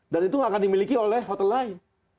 dan itu gak akan dimiliki oleh hotel lain